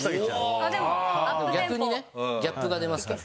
逆にねギャップが出ますから。